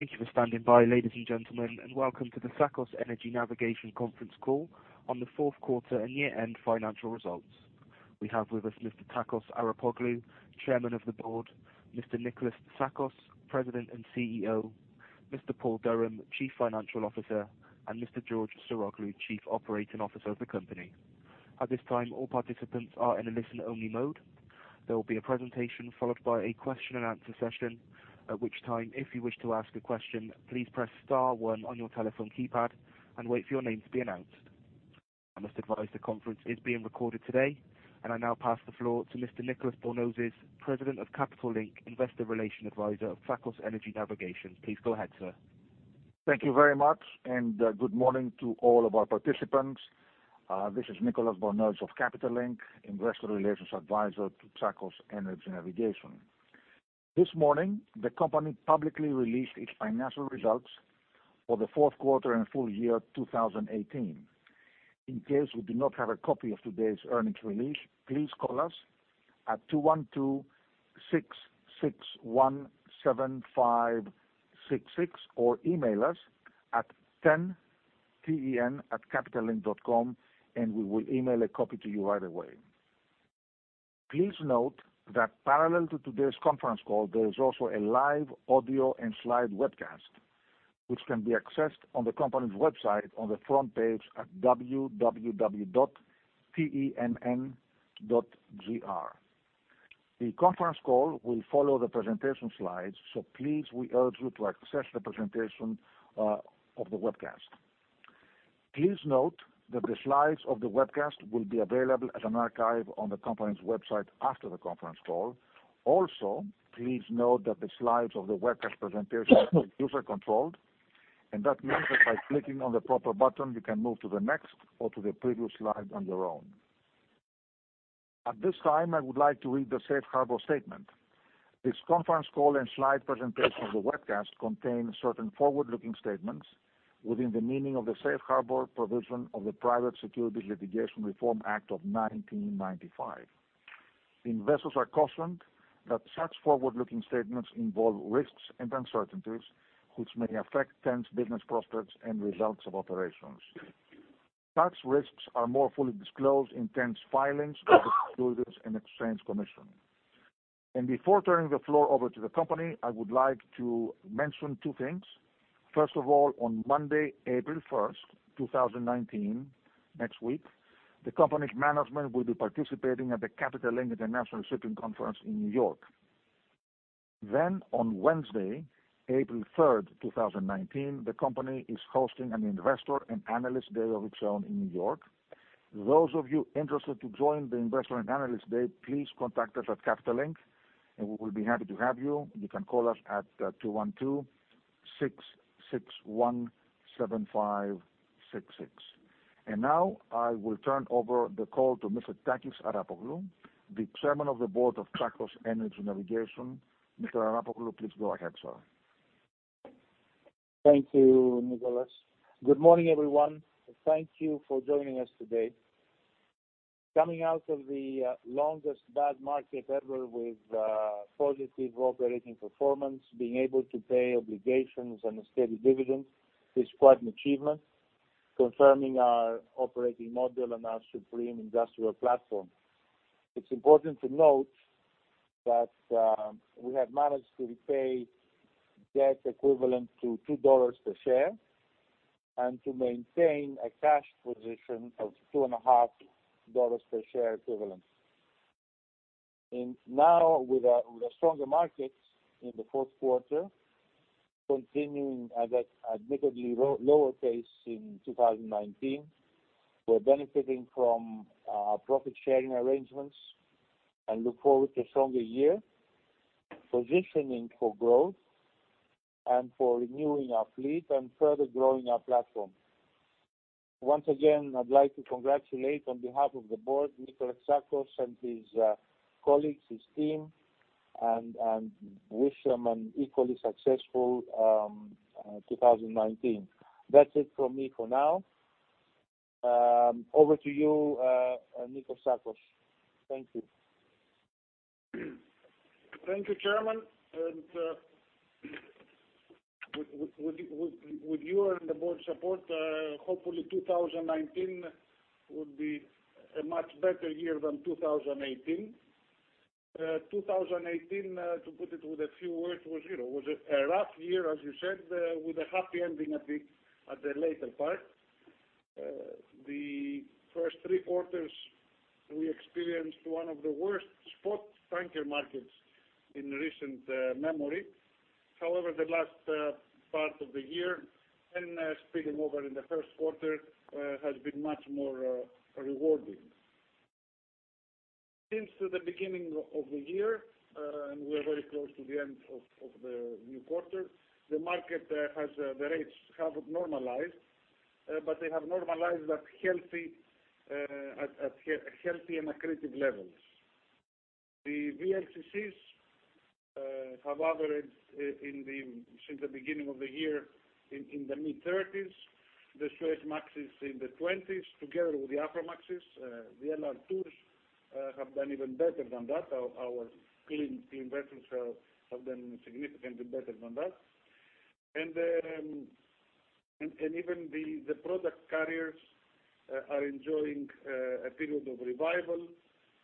Thank you for standing by, ladies and gentlemen, and welcome to the Tsakos Energy Navigation conference call on the fourth quarter and year-end financial results. We have with us Mr. Takis Arapoglou, Chairman of the Board, Mr. Nikolas Tsakos, President and CEO, Mr. Paul Durham, Chief Financial Officer, and Mr. George Saroglou, Chief Operating Officer of the company. At this time, all participants are in a listen-only mode. There will be a presentation followed by a question and answer session, at which time, if you wish to ask a question, please press star one on your telephone keypad and wait for your name to be announced. I must advise the conference is being recorded today. I now pass the floor to Mr. Nicolas Bornozis, President of Capital Link, investor relation advisor of Tsakos Energy Navigation. Please go ahead, sir. Thank you very much. Good morning to all of our participants. This is Nicolas Bornozis of Capital Link, investor relations advisor to Tsakos Energy Navigation. This morning, the company publicly released its financial results for the fourth quarter and full year 2018. In case you do not have a copy of today's earnings release, please call us at 212-661-7566 or email us at ten, T-E-N, @capitallink.com. We will email a copy to you right away. Please note that parallel to today's conference call, there is also a live audio and slide webcast, which can be accessed on the company's website on the front page at www.tenn.gr. The conference call will follow the presentation slides. Please, we urge you to access the presentation of the webcast. Please note that the slides of the webcast will be available as an archive on the company's website after the conference call. Also, please note that the slides of the webcast presentation are user controlled. That means that by clicking on the proper button, you can move to the next or to the previous slide on your own. At this time, I would like to read the safe harbor statement. This conference call and slide presentation of the webcast contain certain forward-looking statements within the meaning of the safe harbor provision of the Private Securities Litigation Reform Act of 1995. Investors are cautioned that such forward-looking statements involve risks and uncertainties, which may affect TEN's business prospects and results of operations. Such risks are more fully disclosed in TEN's filings with the Securities and Exchange Commission. Before turning the floor over to the company, I would like to mention two things. First of all, on Monday, April 1st, 2019, next week, the company's management will be participating at the Capital Link International Shipping Forum in New York. On Wednesday, April 3rd, 2019, the company is hosting an investor and analyst day of its own in New York. Those of you interested to join the investor and analyst day, please contact us at Capital Link. We will be happy to have you. You can call us at 212-661-7566. Now I will turn over the call to Mr. Takis Arapoglou, the Chairman of the Board of Tsakos Energy Navigation. Mr. Arapoglou, please go ahead, sir. Thank you, Nicolas. Good morning, everyone. Thank you for joining us today. Coming out of the longest bad market ever with positive operating performance, being able to pay obligations and a steady dividend is quite an achievement, confirming our operating model and our supreme industrial platform. It's important to note that we have managed to repay debt equivalent to $2 per share and to maintain a cash position of $2.50 per share equivalent. Now with a stronger market in the fourth quarter continuing at an admittedly lower pace in 2019, we're benefiting from our profit-sharing arrangements and look forward to a stronger year, positioning for growth and for renewing our fleet and further growing our platform. Once again, I'd like to congratulate on behalf of the board, Mr. Tsakos and his colleagues, his team, and wish them an equally successful 2019. That's it from me for now. Over to you, Niko Tsakos. Thank you. Thank you, Chairman. With your and the board's support, hopefully 2019 will be a much better year than 2018. 2018, to put it with a few words, was a rough year, as you said, with a happy ending at the latter part. The first three quarters, we experienced one of the worst spot tanker markets in recent memory. However, the last part of the year and spilling over in the first quarter has been much more rewarding. Since the beginning of the year, and we are very close to the end of the new quarter, the rates have normalized, but they have normalized at healthy and accretive levels. The VLCCs have averaged since the beginning of the year in the mid-30s, the Suezmaxes in the 20s, together with the Aframaxes, the LR2s have done even better than that. Our clean vessels have done significantly better than that. Even the product carriers are enjoying a period of revival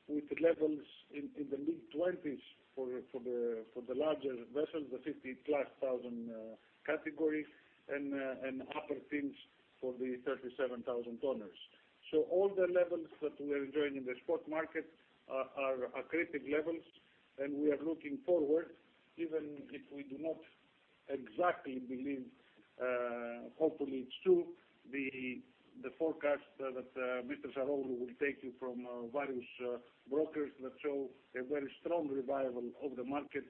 with levels in the mid-20s for the larger vessels, the 50,000 plus category, and upper 10s for the 37,000 tonners. All the levels that we are enjoying in the spot market are accretive levels. We are looking forward, even if we do not exactly believe, hopefully it's true, the forecast that Mr. Saroglou will take you from various brokers that show a very strong revival of the market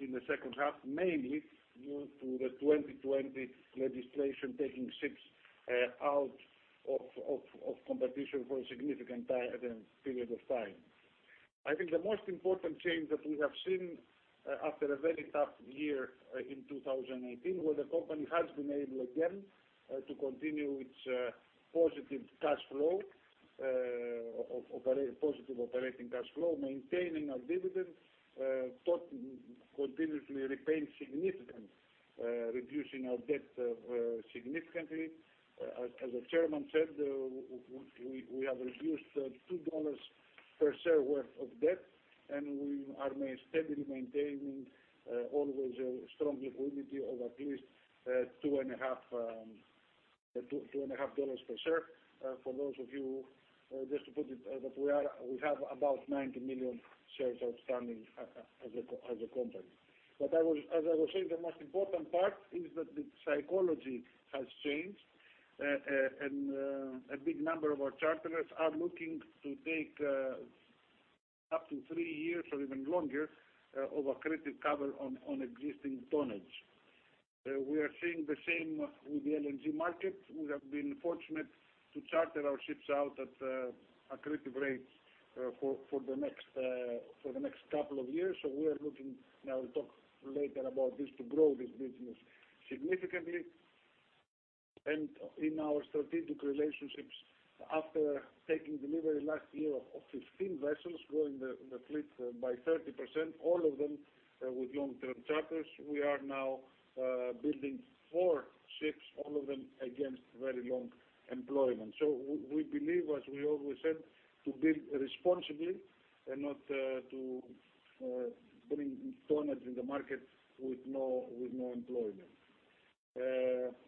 in the second half, mainly due to the 2020 legislation taking ships out of competition for a significant period of time. I think the most important change that we have seen after a very tough year in 2018, where the company has been able again, to continue its positive operating cash flow, maintaining our dividend, continuously reducing our debt significantly. As the chairman said, we have reduced $2 per share worth of debt. We are steadily maintaining always a strong liquidity of at least $2.50 per share. For those of you, just to put it, that we have about 90 million shares outstanding as a company. As I was saying, the most important part is that the psychology has changed, and a big number of our charterers are looking to take up to three years or even longer of accretive cover on existing tonnage. We are seeing the same with the LNG market. We have been fortunate to charter our ships out at accretive rates for the next couple of years. We are looking, I will talk later about this, to grow this business significantly. In our strategic relationships, after taking delivery last year of 15 vessels growing the fleet by 30%, all of them with long-term charters, we are now building four ships, all of them against very long employment. We believe, as we always said, to build responsibly and not to bring tonnage in the market with no employment.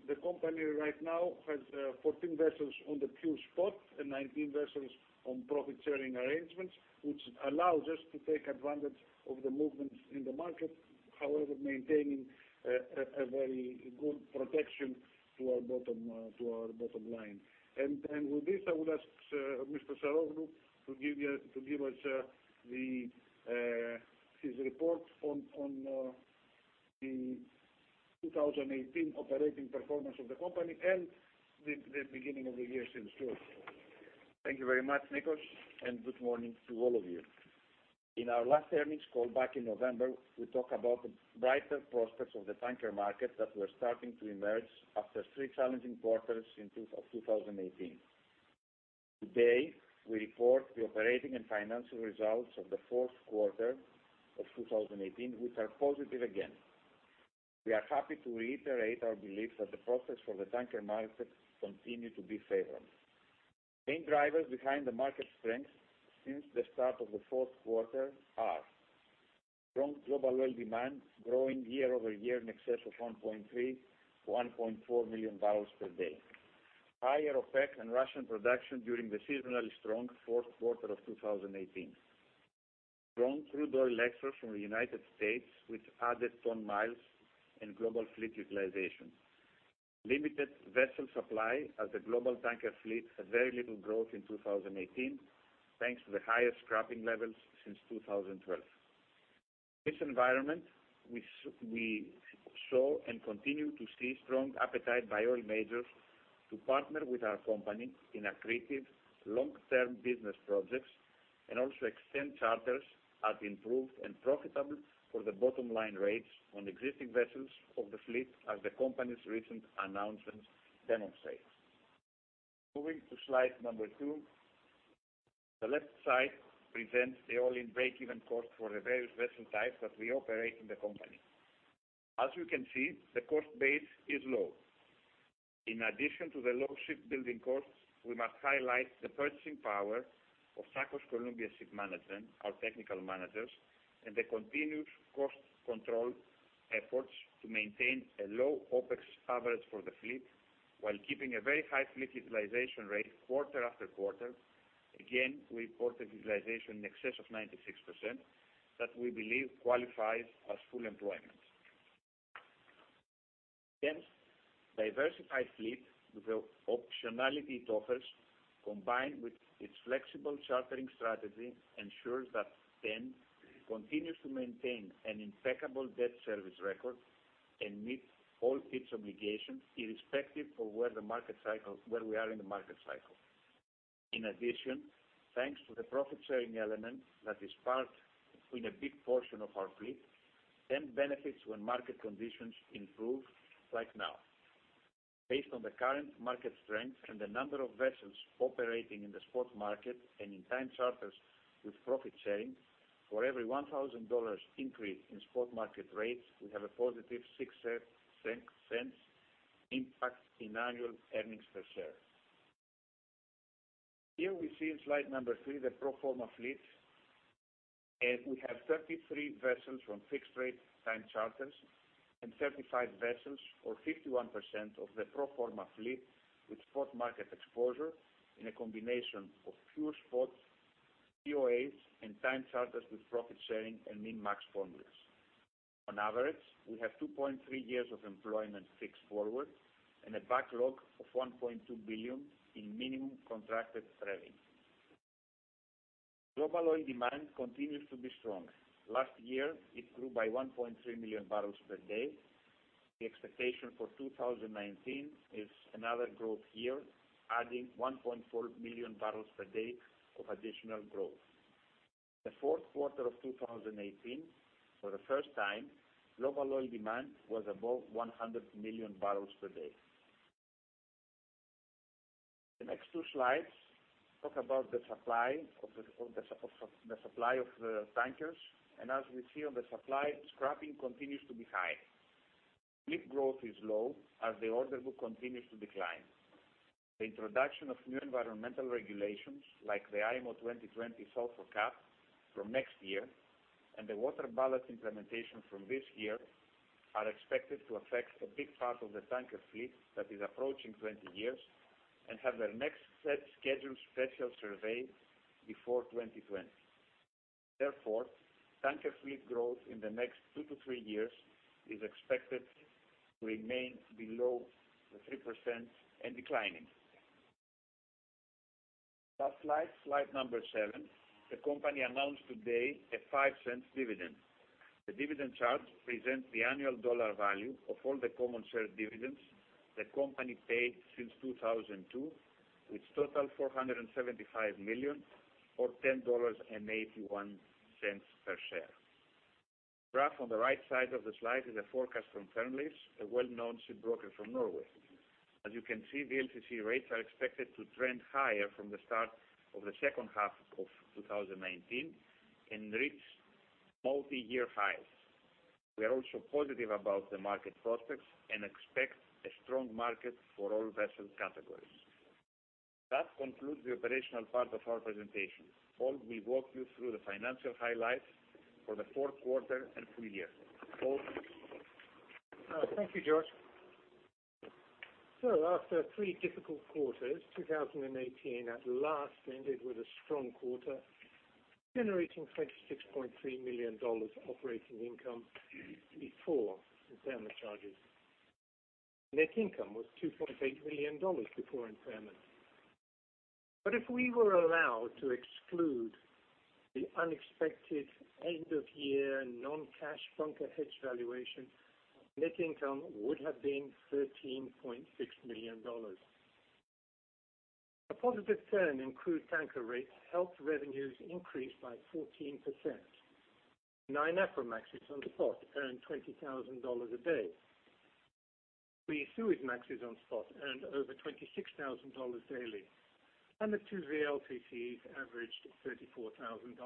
The company right now has 14 vessels on the pure spot and 19 vessels on profit-sharing arrangements, which allows us to take advantage of the movements in the market, however, maintaining a very good protection to our bottom line. With this, I would ask Mr. Saroglou to give us his report on the 2018 operating performance of the company and the beginning of the year since June. Thank you very much, Nikos, and good morning to all of you. In our last earnings call back in November, we talk about the brighter prospects of the tanker market that were starting to emerge after three challenging quarters in 2018. Today, we report the operating and financial results of the fourth quarter of 2018, which are positive again. We are happy to reiterate our belief that the prospects for the tanker market continue to be favorable. Main drivers behind the market strength since the start of the fourth quarter are strong global oil demand growing year-over-year in excess of 1.3 MMbpd-1.4 MMbpd. Higher OPEC and Russian production during the seasonally strong fourth quarter of 2018. Strong crude oil exports from the U.S. with added ton miles and global fleet utilization. Limited vessel supply as the global tanker fleet had very little growth in 2018, thanks to the highest scrapping levels since 2012. In this environment, we saw and continue to see strong appetite by oil majors to partner with our company in accretive long-term business projects, and also extend charters at improved and profitable for the bottom line rates on existing vessels of the fleet, as the company's recent announcements demonstrate. Moving to slide number two. The left side presents the all-in breakeven cost for the various vessel types that we operate in the company. As you can see, the cost base is low. In addition to the low shipbuilding costs, we must highlight the purchasing power of Tsakos Columbia Shipmanagement, our technical managers, and the continuous cost control efforts to maintain a low OPEX average for the fleet while keeping a very high fleet utilization rate quarter after quarter. Again, we report a utilization in excess of 96% that we believe qualifies as full employment. Diversified fleet with the optionality it offers, combined with its flexible chartering strategy ensures that TEN continues to maintain an impeccable debt service record and meet all its obligations irrespective of where we are in the market cycle. In addition, thanks to the profit-sharing element that is part in a big portion of our fleet, TEN benefits when market conditions improve like now. Based on the current market strength and the number of vessels operating in the spot market and in time charters with profit sharing, for every $1,000 increase in spot market rates, we have a positive $0.06 impact in annual earnings per share. Here we see in slide number three, the pro forma fleet. We have 33 vessels from fixed rate time charters and 35 vessels or 51% of the pro forma fleet with spot market exposure in a combination of pure spots, COAs and time charters with profit sharing and min-max formulas. On average, we have 2.3 years of employment fixed forward and a backlog of $1.2 billion in minimum contracted revenue. Global oil demand continues to be strong. Last year, it grew by 1.3 MMbpd. The expectation for 2019 is another growth year, adding 1.4 MMbpd of additional growth. The fourth quarter of 2018, for the first time, global oil demand was above 100 MMbpd. The next two slides talk about the supply of the tankers. As we see on the supply, scrapping continues to be high. Fleet growth is low as the order book continues to decline. The introduction of new environmental regulations like the IMO 2020 sulfur cap from next year and the water ballast implementation from this year are expected to affect a big part of the tanker fleet that is approaching 20 years and have their next set scheduled special survey before 2020. Therefore, tanker fleet growth in the next two to three years is expected to remain below the 3% and declining. Last slide number seven. The company announced today a $0.05 dividend. The dividend chart presents the annual dollar value of all the common share dividends the company paid since 2002, which total $475 million or $10.81 per share. Graph on the right side of the slide is a forecast from Fearnleys, a well-known shipbroker from Norway. As you can see, VLCC rates are expected to trend higher from the start of the second half of 2019 and reach multiyear highs. We are also positive about the market prospects and expect a strong market for all vessel categories. That concludes the operational part of our presentation. Paul will walk you through the financial highlights for the fourth quarter and full year. Paul? Thank you, George. After three difficult quarters, 2018 at last ended with a strong quarter, generating $26.3 million operating income before impairment charges. Net income was $2.8 million before impairment. If we were allowed to exclude the unexpected end of year non-cash bunker hedge valuation, net income would have been $13.6 million. A positive turn in crude tanker rates helped revenues increase by 14%. Nine Aframaxes on the spot earned $20,000 a day. Three Suezmaxes on spot earned over $26,000 daily, and the two VLCCs averaged $34,000.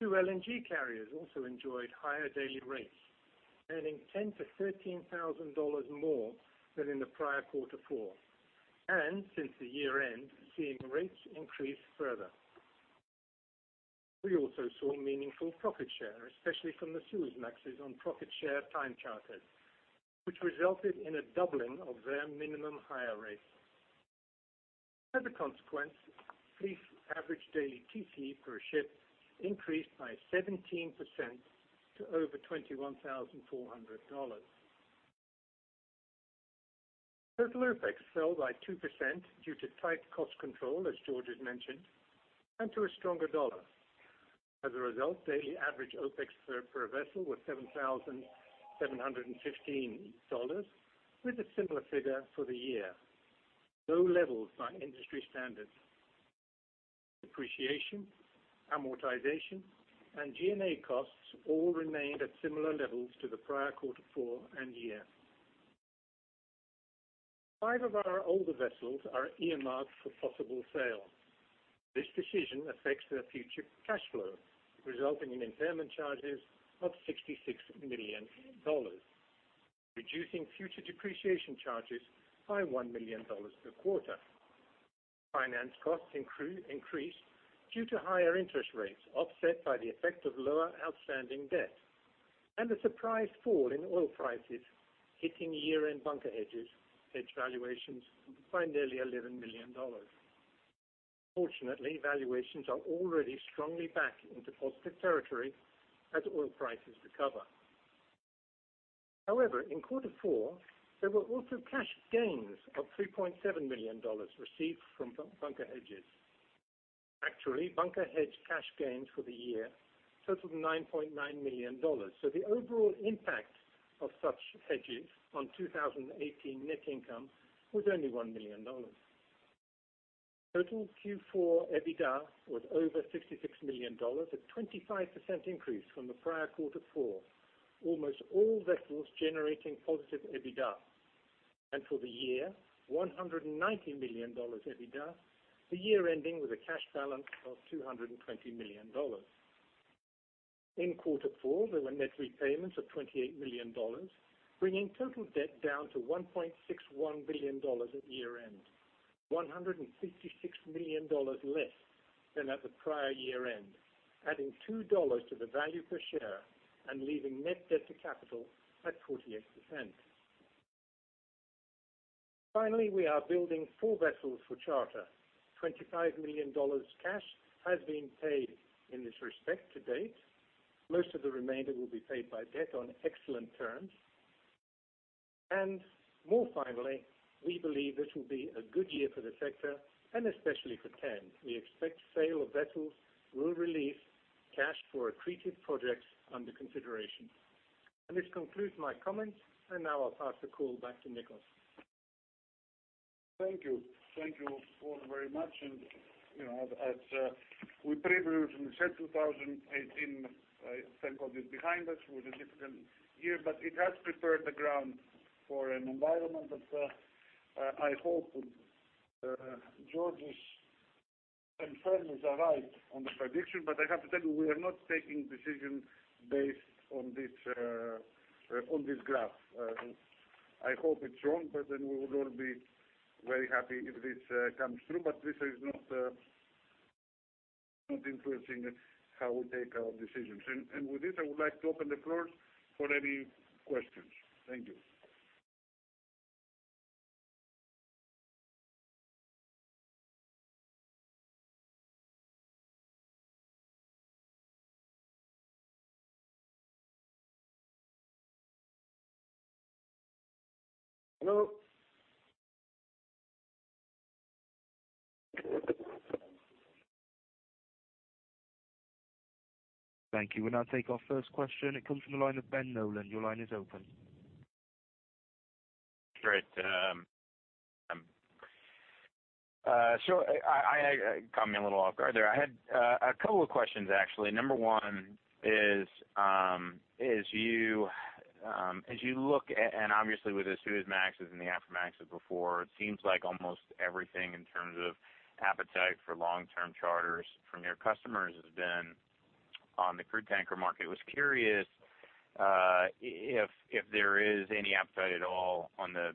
Two LNG carriers also enjoyed higher daily rates, earning $10,000 to $13,000 more than in the prior quarter four, and since the year end, seeing rates increase further. We also saw meaningful profit share, especially from the Suezmaxes on profit share time charters, which resulted in a doubling of their minimum hire rate. Fleet average daily TC per ship increased by 17% to over $21,400. Total OPEX fell by 2% due to tight cost control, as George has mentioned, and to a stronger dollar. Daily average OPEX per vessel was $7,715, with a similar figure for the year. Low levels by industry standards. Depreciation, amortization, and G&A costs all remained at similar levels to the prior quarter four and year. Five of our older vessels are earmarked for possible sale. This decision affects their future cash flow, resulting in impairment charges of $66 million, reducing future depreciation charges by $1 million per quarter. Finance costs increased due to higher interest rates, offset by the effect of lower outstanding debt and a surprise fall in oil prices, hitting year-end bunker hedges, hedge valuations by nearly $11 million. Fortunately, valuations are already strongly back into positive territory as oil prices recover. In quarter four, there were also cash gains of $3.7 million received from bunker hedges. Bunker hedge cash gains for the year totaled $9.9 million. The overall impact of such hedges on 2018 net income was only $1 million. Total Q4 EBITDA was over $66 million, a 25% increase from the prior quarter four. Almost all vessels generating positive EBITDA. For the year, $190 million EBITDA, the year ending with a cash balance of $220 million. In quarter four, there were net repayments of $25 million, bringing total debt down to $1.61 billion at year-end, $156 million less than at the prior year-end, adding $2 to the value per share and leaving net debt to capital at 48%. Finally, we are building four vessels for charter. $25 million cash has been paid in this respect to date. Most of the remainder will be paid by debt on excellent terms. More finally, we believe this will be a good year for the sector and especially for TEN. We expect sale of vessels will release cash for accretive projects under consideration. This concludes my comments, and now I'll pass the call back to Nikos. Thank you. Thank you all very much. As we previously said, 2018, thank God, is behind us. It was a difficult year, but it has prepared the ground for an environment that I hope George's and Fearnleys' are right on the prediction. I have to tell you, we are not taking decisions based on this graph. I hope it is wrong, then we would all be very happy if this comes through. This is not influencing how we take our decisions. With this, I would like to open the floor for any questions. Thank you. Hello? Thank you. We will now take our first question. It comes from the line of Ben Nolan. Your line is open. Great. You caught me a little off guard there. I had a couple of questions, actually. Number one is, as you look at, obviously with the Suezmaxes and the Aframaxes before, it seems like almost everything in terms of appetite for long-term charters from your customers has been on the crude tanker market. Was curious if there is any appetite at all on the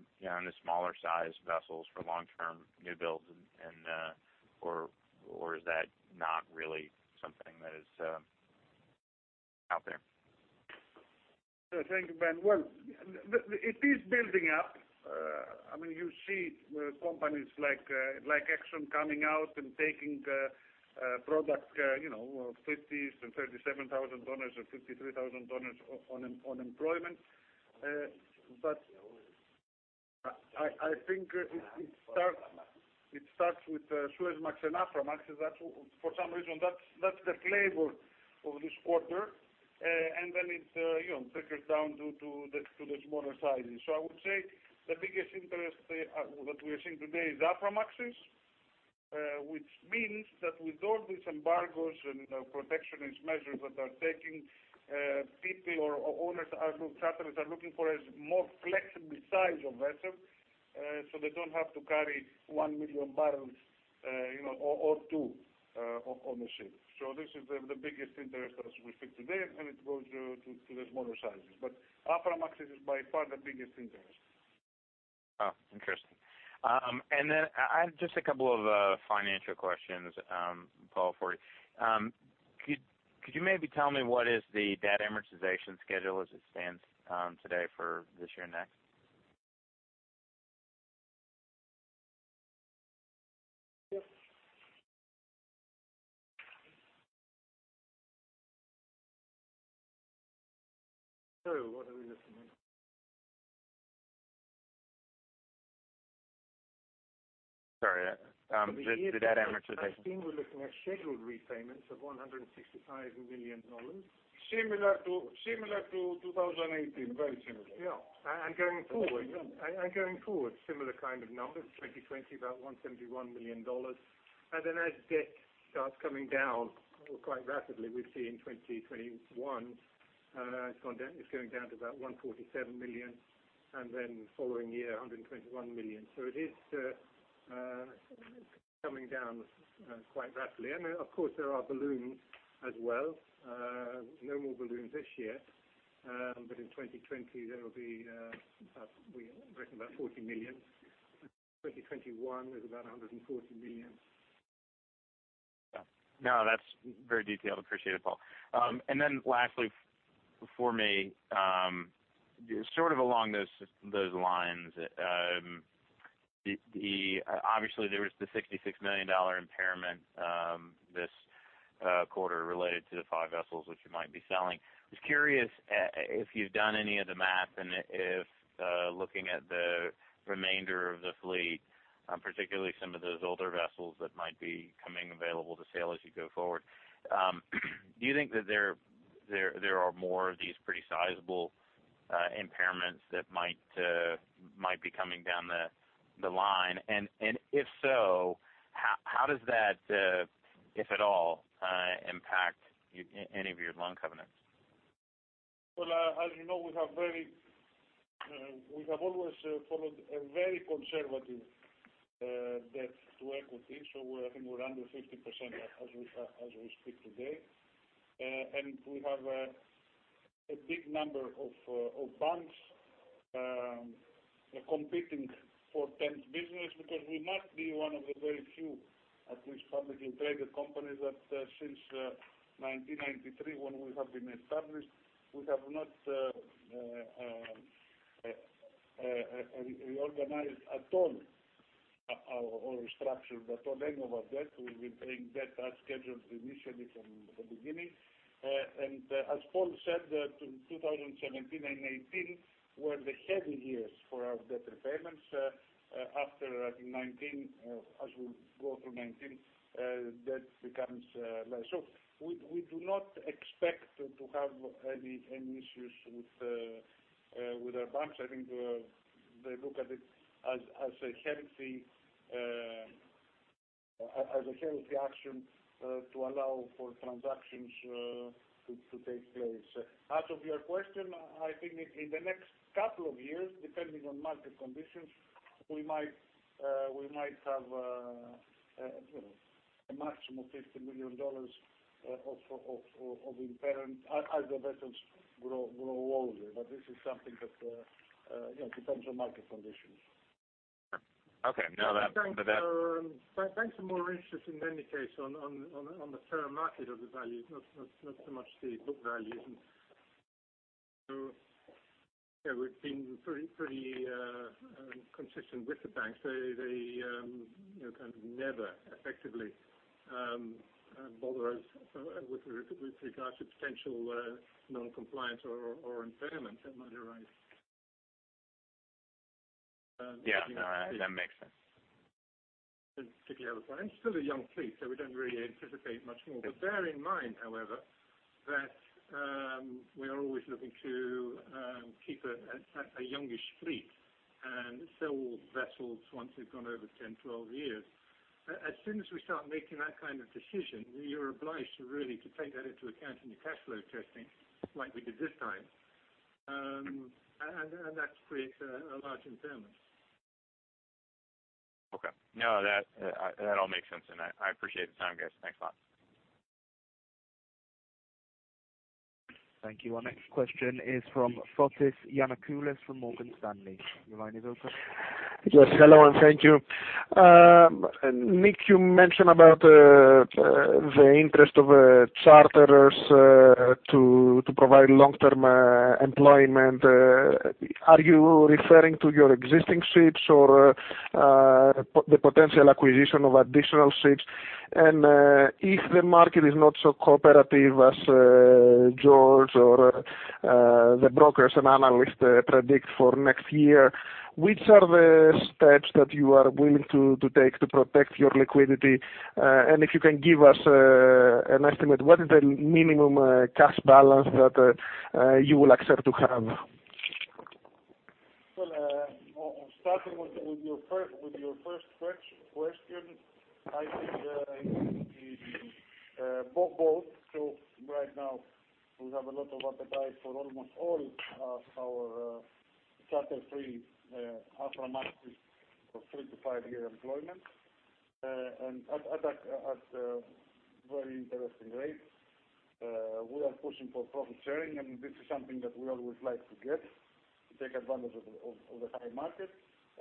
smaller size vessels for long-term new builds, or is that not really something that is out there? Thank you, Ben. Well, it is building up. You see companies like Exxon coming out and taking product $50,000 and $37,000 or $53,000 on employment. I think it starts with Suezmax and Aframax. For some reason, that's the flavor of this quarter. Then it trickles down to the smaller sizes. I would say the biggest interest that we are seeing today is Aframaxes, which means that with all these embargoes and protectionist measures that are taking, people or owners or charterers are looking for a more flexible size of vessel so they don't have to carry 1 million barrels or two on the ship. This is the biggest interest as we see today, it goes to the smaller sizes. Aframax is by far the biggest interest. Oh, interesting. I have just a couple of financial questions, Paul, for you. Could you maybe tell me what is the debt amortization schedule as it stands today for this year and next? What are we looking at? Sorry. The debt amortization. We're looking at scheduled repayments of $165 million. Similar to 2018. Very similar. Yeah. Going forward, similar kind of numbers. 2020, about $171 million. As debt starts coming down quite rapidly, we see in 2021, it's going down to about $147 million. Following year, $121 million. It is coming down quite rapidly. Of course, there are balloons as well. No more balloons this year, but in 2020, there will be, we reckon, about $40 million. 2021 is about $140 million. No, that's very detailed. Appreciate it, Paul. Lastly for me, sort of along those lines, obviously there was the $66 million impairment this quarter related to the five vessels which you might be selling. I was curious if you've done any of the math and if looking at the remainder of the fleet, particularly some of those older vessels that might be coming available to sale as you go forward, do you think that there are more of these pretty sizable impairments that might be coming down the line? If so, how does that, if at all, impact any of your loan covenants? Well, as you know, we have always followed a very conservative debt to equity. I think we're under 50% as we speak today. We have a big number of banks competing for TEN's business because we might be one of the very few, at least publicly traded companies, that since 1993, when we have been established, we have not reorganized at all our structure. On any of our debt, we've been paying debt as scheduled initially from the beginning. As Paul said, 2017 and 2018 were the heavy years for our debt repayments. After, I think, 2019, as we go through 2019, debt becomes less. We do not expect to have any issues with our banks. I think they look at it as a healthy action to allow for transactions to take place. As of your question, I think in the next couple of years, depending on market conditions, we might have a maximum of $50 million of impairment as the vessels grow older. This is something that depends on market conditions. Okay. No. Banks are more interested in any case on the fair market of the value, not so much the book value. Yeah, we've been pretty consistent with the banks. They kind of never effectively bother us with regards to potential non-compliance or impairment that might arise. Yeah. That makes sense. Particularly other points. Still a young fleet, we don't really anticipate much more. Bear in mind, however, that we are always looking to keep a youngish fleet and sell vessels once they've gone over 10, 12 years. As soon as we start making that kind of decision, you're obliged to really take that into account in your cash flow testing like we did this time. That creates a large impairment. Okay. No, that all makes sense. I appreciate the time, guys. Thanks a lot. Thank you. Our next question is from Fotis Giannakoulis from Morgan Stanley. Your line is open. Yes, hello and thank you. Nick, you mentioned about the interest of charterers to provide long-term employment. Are you referring to your existing ships or the potential acquisition of additional ships? If the market is not so cooperative as George or the brokers and analysts predict for next year, which are the steps that you are willing to take to protect your liquidity? If you can give us an estimate, what is the minimum cash balance that you will accept to have? Starting with your first question, I think both. Right now we have a lot of appetite for almost all of our charter free Aframaxes for three to five-year employment. At very interesting rates. We are pushing for profit sharing, and this is something that we always like to get to take advantage of the high market.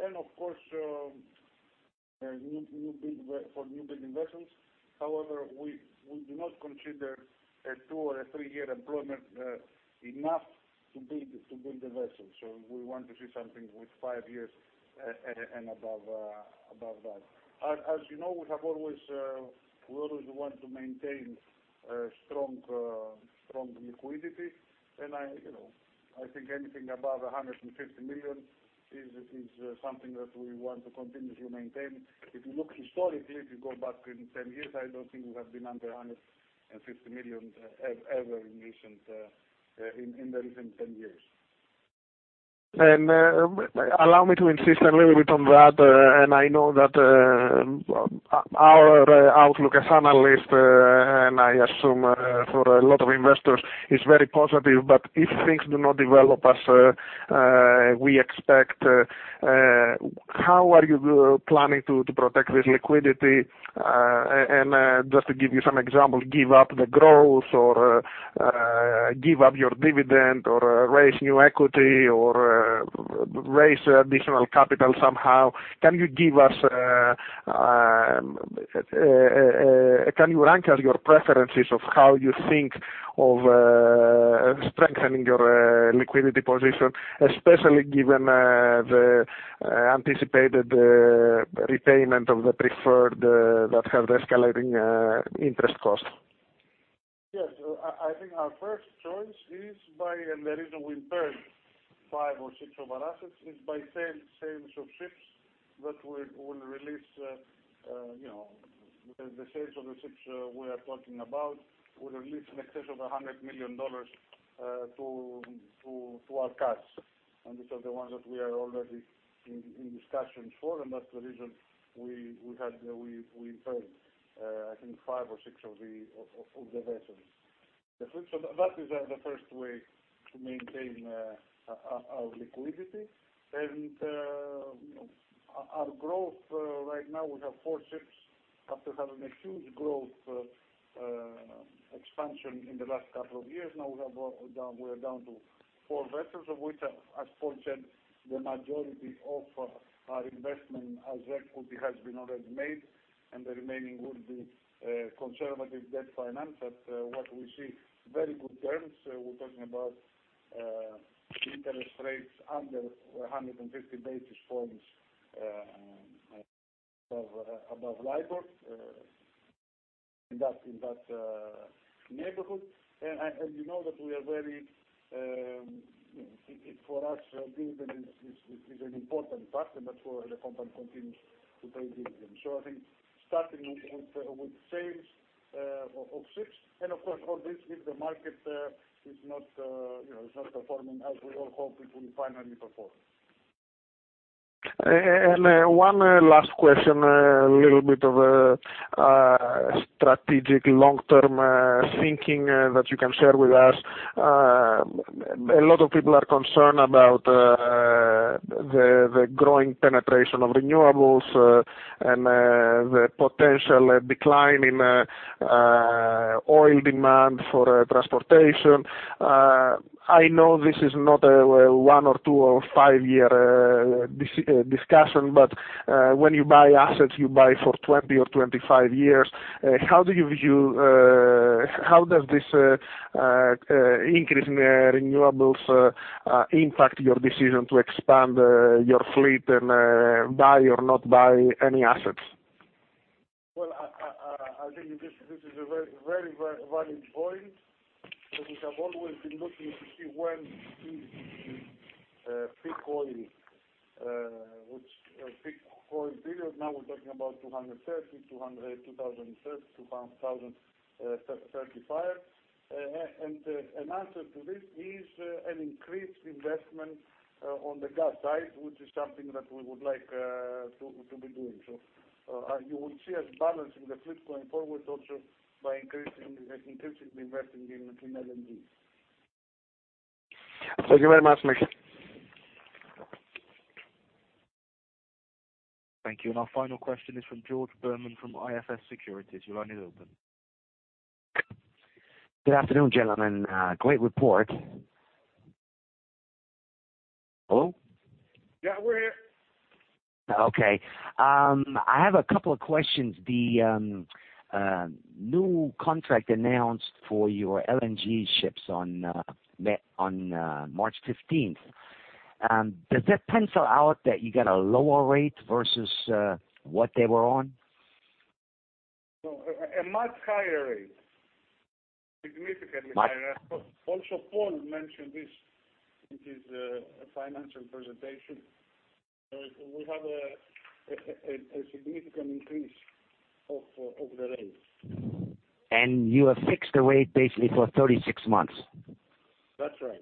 Of course, for new building vessels. However, we do not consider a two or a three-year employment enough to build the vessel. We want to see something with five years and above that. As you know, we always want to maintain strong liquidity, and I think anything above $150 million is something that we want to continue to maintain. If you look historically, if you go back 10 years, I don't think we have been under $150 million ever in the recent 10 years. Allow me to insist a little bit on that. I know that our outlook as analysts, and I assume for a lot of investors, is very positive. If things do not develop as we expect, how are you planning to protect this liquidity? Just to give you some examples, give up the growth or give up your dividend or raise new equity or raise additional capital somehow. Can you rank us your preferences of how you think of strengthening your liquidity position, especially given the anticipated repayment of the preferred that have escalating interest cost? Yes. I think our first choice is by, and the reason we turned five or six of our assets is by sales of ships. That will release the sales of the ships we are talking about, will release in excess of $100 million to our cash. These are the ones that we are already in discussions for, and that's the reason we paid, I think, five or six of the vessels. That is the first way to maintain our liquidity. Our growth right now, we have four ships. After having a huge growth expansion in the last couple of years, now we are down to four vessels, of which, as Paul said, the majority of our investment as equity has been already made, and the remaining would be conservative debt finance. What we see, very good terms. We're talking about interest rates under 150 basis points above LIBOR, in that neighborhood. You know that for us, dividend is an important part, and that's why the company continues to pay dividends. I think starting with sales of ships, and of course, all this if the market is not performing as we all hope it will finally perform. One last question, a little bit of a strategic long-term thinking that you can share with us. A lot of people are concerned about the growing penetration of renewables and the potential decline in oil demand for transportation. I know this is not a one or two or five-year discussion, but when you buy assets, you buy for 20 or 25 years. How does this increase in renewables impact your decision to expand your fleet and buy or not buy any assets? Well, I think this is a very valid point, because we have always been looking to see when is the peak oil period. Now we're talking about 2030, 2035. An answer to this is an increased investment on the gas side, which is something that we would like to be doing. You will see us balancing the fleet going forward also by increasing the investment in LNG. Thank you very much, Nikos. Thank you. Our final question is from George Berman from IFS Securities. Your line is open. Good afternoon, gentlemen. Great report. Hello? Yeah, we're here. Okay. I have a couple of questions. The new contract announced for your LNG ships on March 15th, does that pencil out that you get a lower rate versus what they were on? No, a much higher rate. Significantly higher. Paul mentioned this in his financial presentation. We have a significant increase of the rates. You have fixed the rate basically for 36 months? That's right.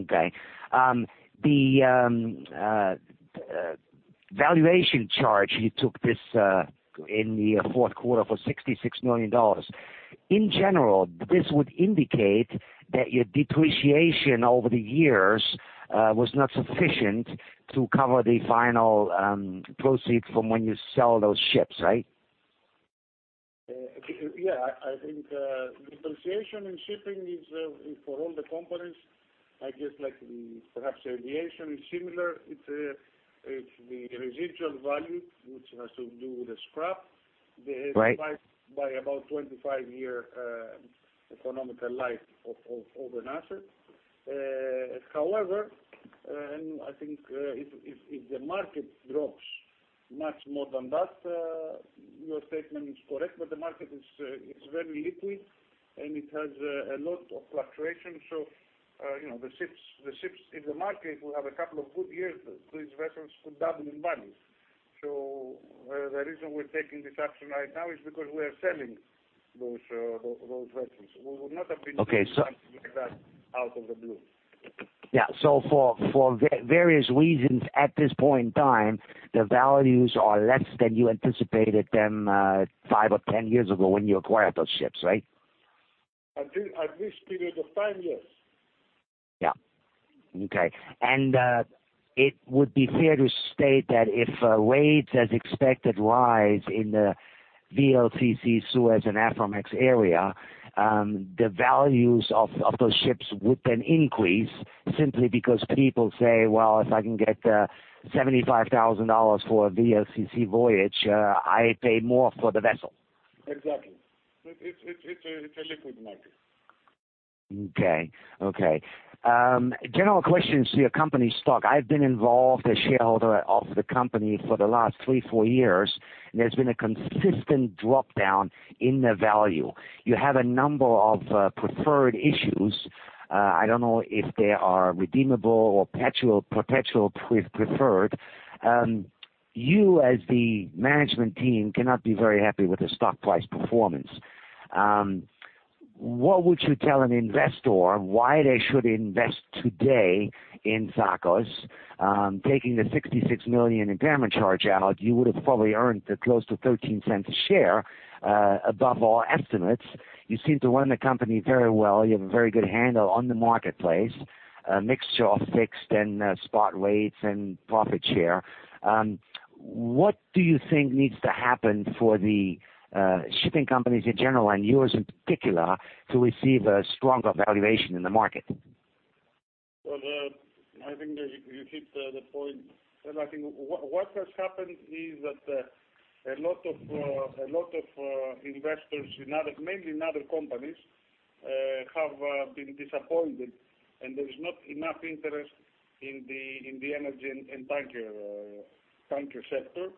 Okay. The valuation charge, you took this in the fourth quarter for $66 million. In general, this would indicate that your depreciation over the years was not sufficient to cover the final proceed from when you sell those ships, right? Yeah, I think depreciation in shipping is for all the companies. I guess, like perhaps aviation, it's similar. It's the residual value, which has to do with the- Right. divided by about 25-year economical life of an asset. I think if the market drops much more than that, your statement is correct. The market is very liquid, and it has a lot of fluctuation. The ships in the market, if we have a couple of good years, these vessels could double in value. The reason we're taking this action right now is because we are selling those vessels. We would not have been doing something like that out of the blue. Yeah. For various reasons, at this point in time, the values are less than you anticipated them five or 10 years ago when you acquired those ships, right? At this period of time, yes. Yeah. Okay. It would be fair to state that if rates as expected rise in the VLCC, Suez and Aframax area, the values of those ships would then increase simply because people say, "Well, if I can get $75,000 for a VLCC voyage, I pay more for the vessel." Exactly. It's a liquid market. Okay. General questions to your company stock. I've been involved as shareholder of the company for the last three, four years. There's been a consistent drop-down in the value. You have a number of preferred issues. I don't know if they are redeemable or perpetual preferred. You as the management team cannot be very happy with the stock price performance. What would you tell an investor why they should invest today in Tsakos? Taking the $66 million impairment charge out, you would have probably earned close to $0.13 a share above all estimates. You seem to run the company very well. You have a very good handle on the marketplace, a mixture of fixed and spot rates and profit share. What do you think needs to happen for the shipping companies in general and yours in particular to receive a stronger valuation in the market? Well, I think you hit the point. I think what has happened is that a lot of investors, mainly in other companies, have been disappointed, and there is not enough interest in the energy and tanker sector.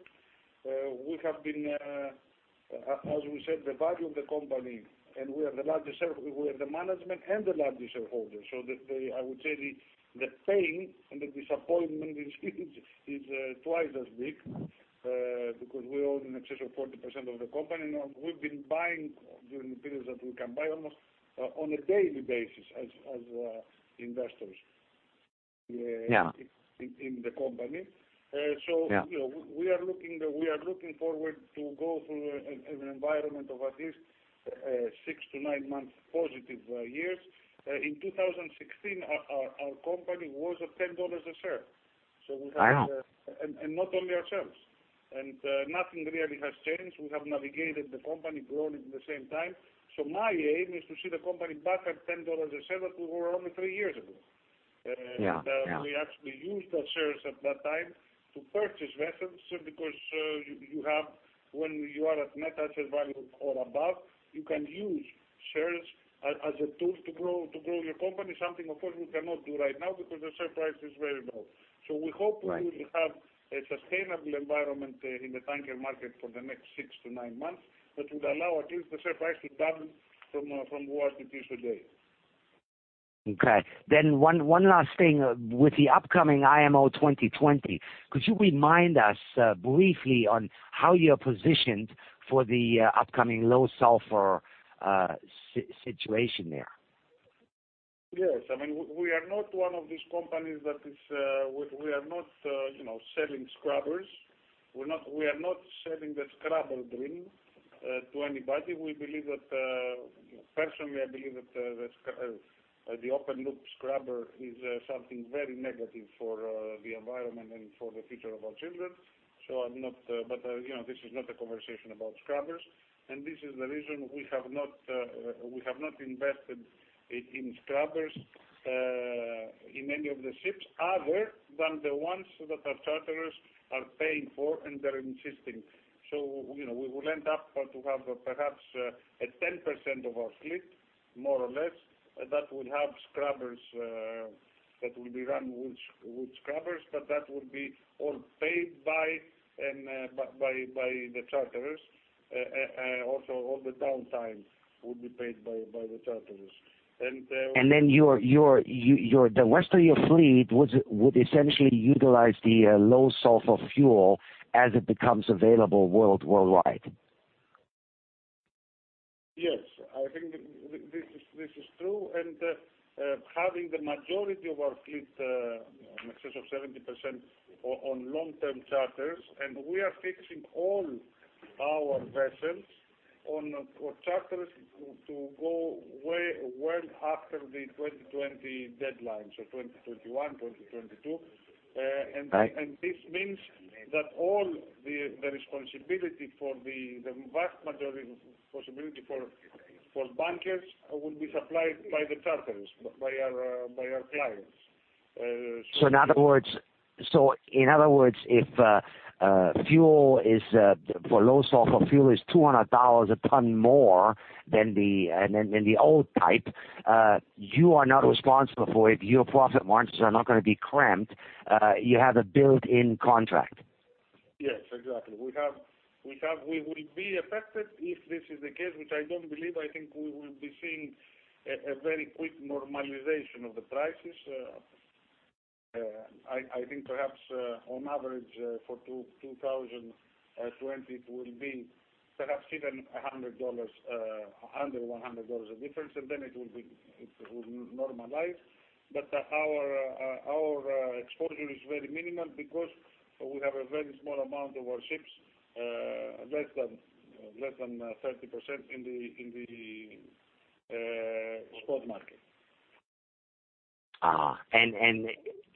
As we said, the value of the company, and we are the management and the largest shareholder. I would say the pain and the disappointment is twice as big because we own in excess of 40% of the company. Now we've been buying during the periods that we can buy almost on a daily basis as investors- Yeah. in the company. Yeah. We are looking forward to go through an environment of at least six to nine months positive years. In 2016, our company was at $10 a share. I know. Not only ourselves. Nothing really has changed. We have navigated the company, grown it at the same time. My aim is to see the company back at $10 a share that we were only three years ago. Yeah. We actually used the shares at that time to purchase vessels because when you are at net asset value or above, you can use shares as a tool to grow your company. Something, of course, we cannot do right now because the share price is very low. We hope. Right. We will have a sustainable environment in the tanker market for the next six to nine months that would allow at least the share price to double from what it is today. Okay. One last thing. With the upcoming IMO 2020, could you remind us briefly on how you're positioned for the upcoming low sulfur situation there? Yes. We are not one of these companies. We are not selling scrubbers. We are not selling the scrubber dream to anybody. Personally, I believe that the open loop scrubber is something very negative for the environment and for the future of our children. This is not a conversation about scrubbers, and this is the reason we have not invested in scrubbers in any of the ships other than the ones that our charterers are paying for and they're insisting. We will end up to have perhaps a 10% of our fleet, more or less, that will have scrubbers, that will be run with scrubbers, but that would be all paid by the charterers, and also all the downtime would be paid by the charterers. The rest of your fleet would essentially utilize the low sulfur fuel as it becomes available worldwide. Yes. I think this is true, having the majority of our fleet in excess of 70% on long-term charters, we are fixing all our vessels on charter to go way well after the 2020 deadlines or 2021, 2022. Right. This means that all the responsibility for the vast majority of possibility for bunkers will be supplied by the charterers, by our clients. In other words, if low sulfur fuel is $200 a ton more than the old type, you are not responsible for it. Your profit margins are not going to be crimped. You have a built-in contract. Yes, exactly. We will be affected if this is the case, which I don't believe. I think we will be seeing a very quick normalization of the prices. I think perhaps, on average for 2020, it will be perhaps even under $100 of difference, then it will normalize. Our exposure is very minimal because we have a very small amount of our ships, less than 30% in the spot market.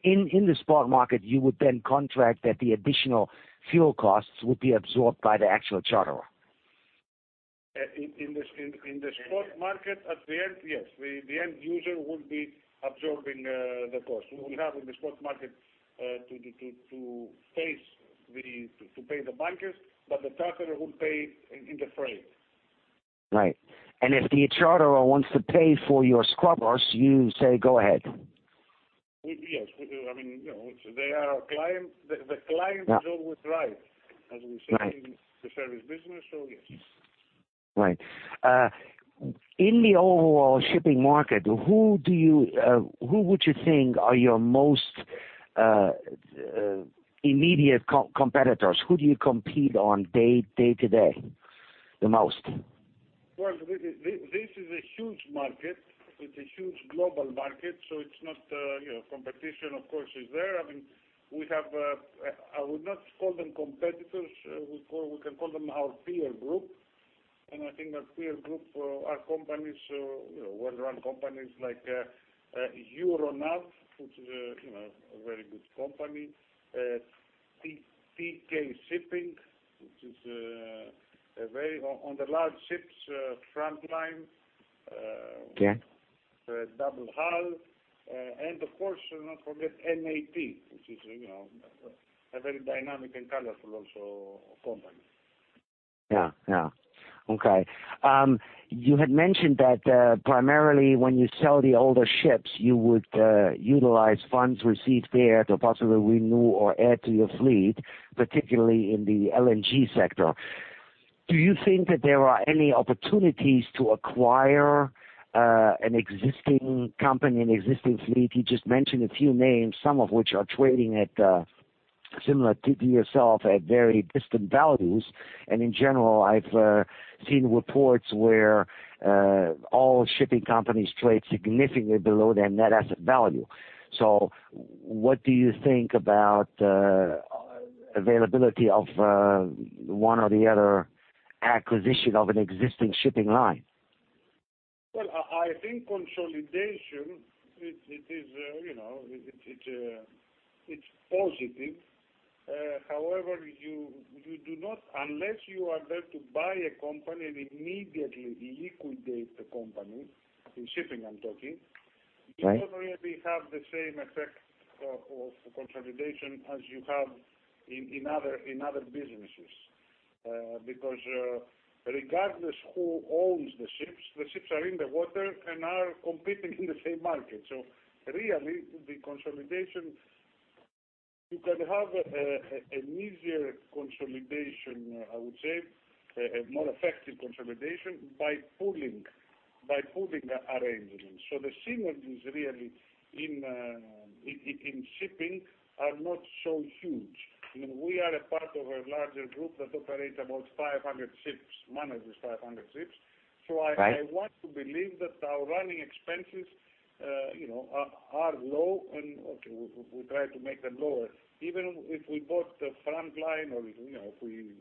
In the spot market, you would contract that the additional fuel costs would be absorbed by the actual charterer. In the spot market at the end, yes. The end user would be absorbing the cost. We will have in the spot market to pay the bunkers, the charterer would pay in the freight. Right. If the charterer wants to pay for your scrubbers, you say, "Go ahead." Yes. The client is always right, as we say in the service business, yes. Right. In the overall shipping market, who would you think are your most immediate competitors? Who do you compete on day-to-day the most? Well, this is a huge market. It's a huge global market. Competition, of course, is there. I would not call them competitors. We can call them our peer group. I think our peer group are well-run companies like Euronav, which is a very good company. Teekay Shipping, which is very on the large ships, Frontline- Yeah. double hull. Of course, not forget NAT, which is a very dynamic and colorful also company. Yeah. Okay. You had mentioned that primarily when you sell the older ships, you would utilize funds received there to possibly renew or add to your fleet, particularly in the LNG sector. Do you think that there are any opportunities to acquire an existing company, an existing fleet? You just mentioned a few names, some of which are trading at similar to yourself at very distant values. In general, I've seen reports where all shipping companies trade significantly below their net asset value. What do you think about availability of one or the other acquisition of an existing shipping line? Well, I think consolidation, it's positive. However, unless you are there to buy a company and immediately liquidate the company, in shipping I'm talking. Right. You don't really have the same effect of consolidation as you have in other businesses. Regardless who owns the ships, the ships are in the water and are competing in the same market. Really, you can have an easier consolidation, I would say, a more effective consolidation by pooling arrangements. The synergies really in shipping are not so huge. We are a part of a larger group that manages about 500 ships. Right. want to believe that our running expenses are low, and okay, we try to make them lower. Even if we bought Frontline or if we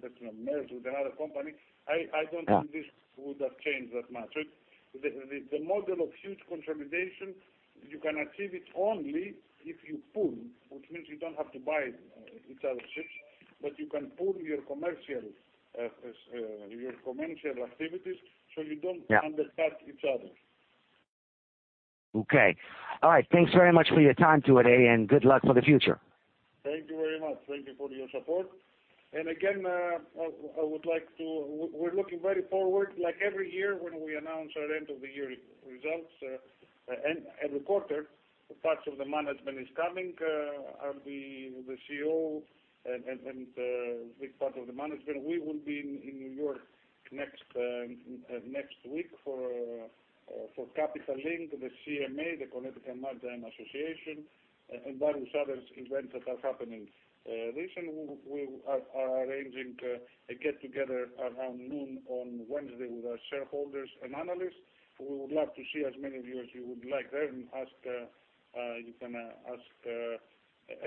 merge with another company, I don't think this would have changed that much. The model of huge consolidation, you can achieve it only if you pool, which means you don't have to buy each other ships, but you can pool your commercial activities, you don't- Yeah. undercut each other. Okay. All right. Thanks very much for your time today, and good luck for the future. Thank you very much. Thank you for your support. Again, we're looking very forward, like every year when we announce our end of the year results. Every quarter, parts of the management is coming, I'll be the CEO, and big part of the management. We will be in New York next week for Capital Link, the CMA, the Connecticut Maritime Association, and various others events that are happening there. We are arranging a get together around noon on Wednesday with our shareholders and analysts, who we would love to see as many of you as you would like there, and you can ask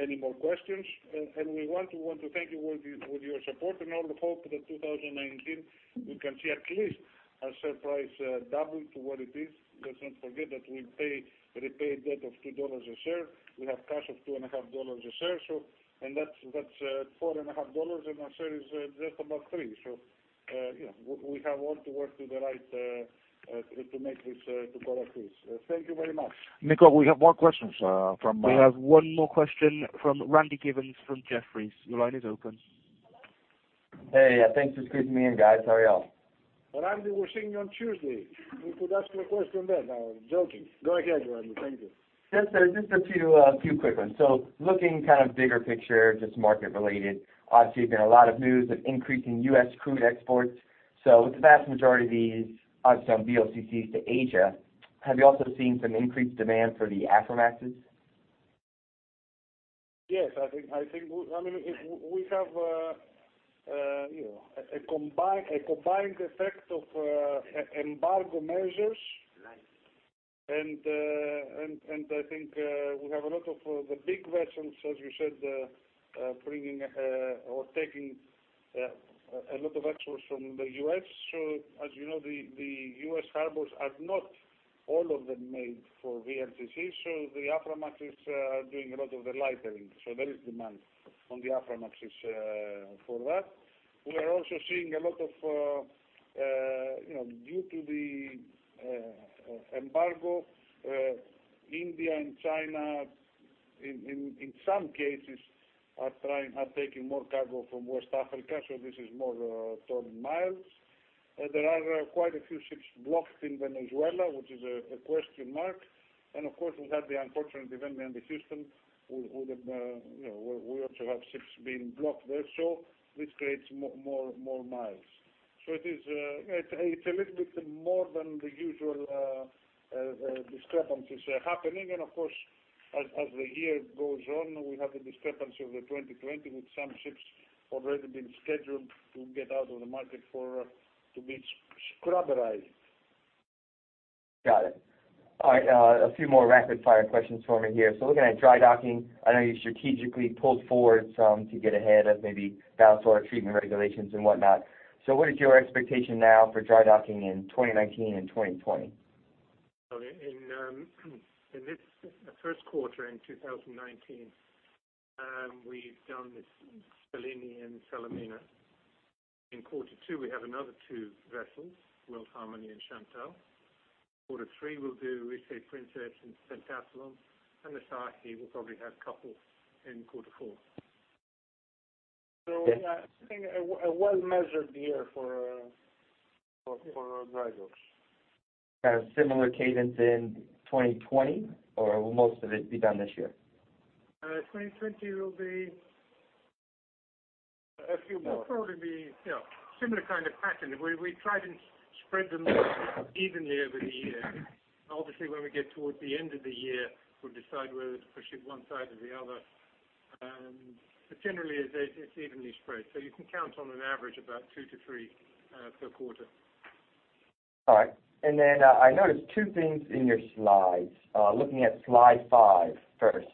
any more questions. We want to thank you for your support, and all the hope that 2019, we can see at least our share price double to what it is. Let's not forget that we repaid debt of $2 a share. We have cash of $2.50 a share, and that's $4.50, and our share is just about three. We have all to work to the right to correct this. Thank you very much. Niko, we have more questions from- We have one more question from Randy Giveans from Jefferies. Your line is open. Hello? Hey, thanks for squeezing me in, guys. How are y'all? Randy, we're seeing you on Tuesday. You could ask your question then. I was joking. Go ahead, Randy. Thank you. Looking kind of bigger picture, just market related, obviously, there's been a lot of news of increasing U.S. crude exports. With the vast majority of these on some VLCCs to Asia, have you also seen some increased demand for the Aframaxes? Yes. We have a combined effect of embargo measures. Right. I think we have a lot of the big vessels, as you said, bringing or taking a lot of exports from the U.S. As you know, the U.S. harbors are not all of them made for VLCCs, the Aframaxes are doing a lot of the lightering. There is demand on the Aframaxes for that. We are also seeing a lot of, due to the embargo, India and China. In some cases, are taking more cargo from West Africa, this is more ton miles. There are quite a few ships blocked in Venezuela, which is a question mark. Of course, we had the unfortunate event in Houston, we also have ships being blocked there, this creates more miles. It's a little bit more than the usual discrepancies happening. Of course, as the year goes on, we have the discrepancy of the 2020 with some ships already been scheduled to get out of the market to be scrubberized. Got it. All right, a few more rapid fire questions for me here. Looking at dry docking, I know you strategically pulled forward some to get ahead of maybe ballast water treatment regulations and whatnot. What is your expectation now for dry docking in 2019 and 2020? In this first quarter in 2019, we've done the Fellini and Salamina. In quarter two, we have another two vessels, World Harmony and Chantal. Quarter three, we'll do Etie Princess and Centaurus, and Asahi will probably have couple in quarter four. I think a well-measured year for dry docks. Kind of similar cadence in 2020, or will most of it be done this year? 2020 will be- A few more. will probably be similar kind of pattern. We try to spread them evenly over the year. Obviously, when we get towards the end of the year, we'll decide whether to push it one side or the other. Generally, it's evenly spread. You can count on an average about two to three per quarter. All right. I noticed two things in your slides. Looking at slide five first.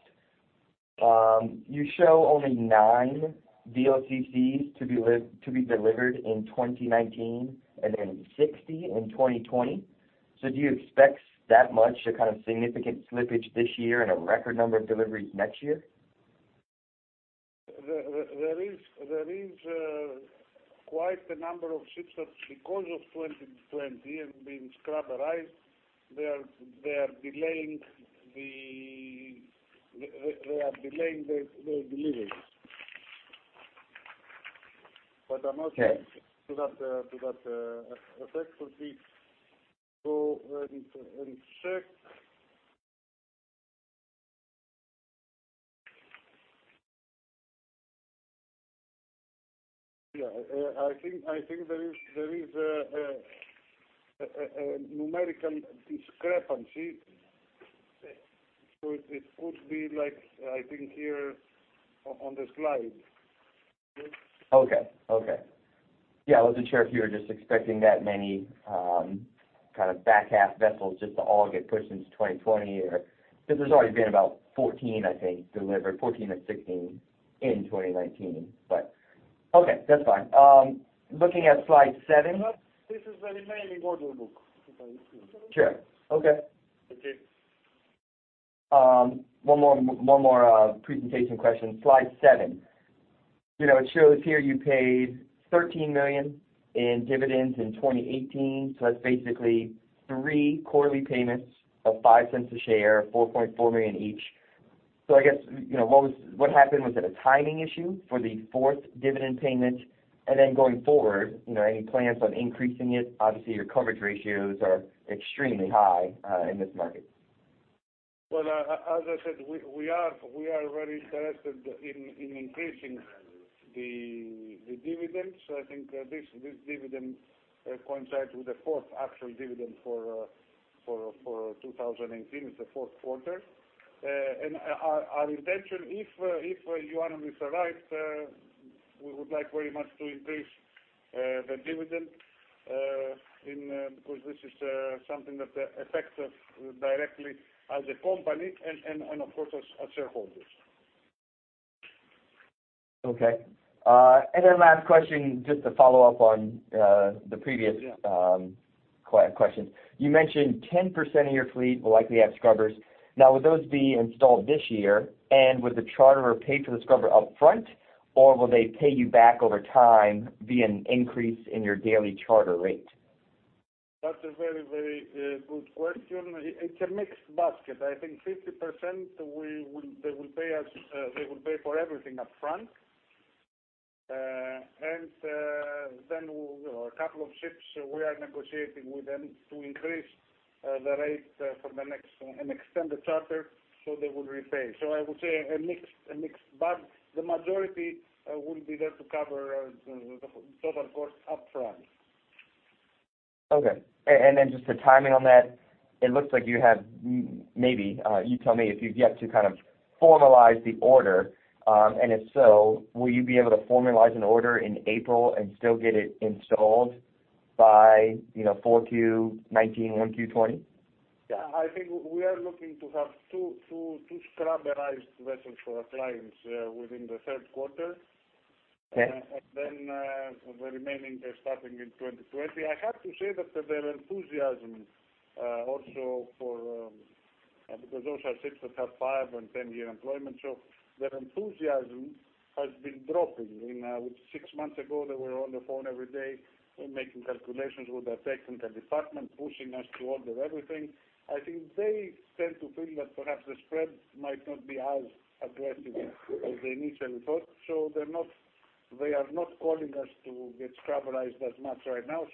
You show only nine VLCCs to be delivered in 2019, and 60 in 2020. Do you expect that much, a kind of significant slippage this year and a record number of deliveries next year? There is quite a number of ships that because of 2020 and being scrubberized, they are delaying their deliveries. I'm not. Okay. sure that effect would be so, let me check. Yeah, I think there is a numerical discrepancy. It would be like, I think here on the slide. Okay. Yeah, I wasn't sure if you were just expecting that many back half vessels just to all get pushed into 2020 or because there's already been about 14, I think, delivered, 14 or 16 in 2019, that's fine. Looking at slide seven. No, this is the remaining order book that I see. Sure. Okay. Okay. One more presentation question. Slide seven. It shows here you paid $13 million in dividends in 2018, that's basically three quarterly payments of $0.05 a share, $4.4 million each. I guess, what happened? Was it a timing issue for the fourth dividend payment? Going forward, any plans on increasing it? Obviously, your coverage ratios are extremely high in this market. Well, as I said, we are very interested in increasing the dividends. I think this dividend coincides with the fourth actual dividend for 2018. It's the fourth quarter. Our intention, if Ioannis is arrived, we would like very much to increase the dividend because this is something that affects us directly as a company and of course, as shareholders. Okay. Last question just to follow up on the previous question. You mentioned 10% of your fleet will likely have scrubbers. Now, would those be installed this year? Would the charterer pay for the scrubber upfront, or will they pay you back over time via an increase in your daily charter rate? That's a very good question. It's a mixed basket. I think 50%, they will pay for everything up front. A couple of ships, we are negotiating with them to increase the rate for the next and extend the charter so they will repay. I would say a mixed bag. The majority will be there to cover the total cost up front. Okay. Just the timing on that, it looks like you have maybe, you tell me if you've yet to kind of formalize the order. If so, will you be able to formalize an order in April and still get it installed by 4Q 2019, 1Q 2020? Yeah, I think we are looking to have two scrubberized vessels for our clients within the third quarter. Okay. The remaining starting in 2020. I have to say that their enthusiasm also for because those are ships that have five and 10-year employment. Their enthusiasm has been dropping. Six months ago, they were on the phone every day making calculations with their technical department, pushing us to order everything. I think they tend to feel that perhaps the spread might not be as aggressive as they initially thought. They are not calling us to get scrubberized as much right now.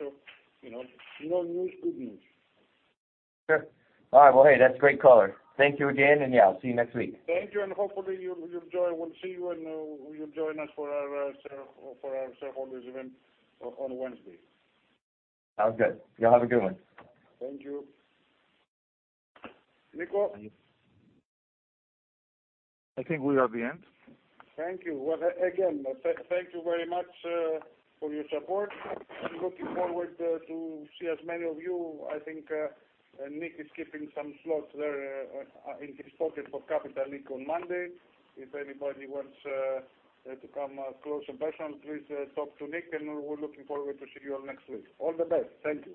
No news, good news. Sure. All right. Well, hey, that's a great color. Thank you again, yeah, I'll see you next week. Thank you. Hopefully we'll see you, and you'll join us for our shareholders event on Wednesday. Sounds good. You all have a good one. Thank you. Nico? I think we are at the end. Thank you. Well, again, thank you very much for your support. Looking forward to see as many of you. I think Nick is keeping some slots there in his pocket for Capital Link on Monday. If anybody wants to come closer personal, please talk to Nick, and we're looking forward to see you all next week. All the best. Thank you.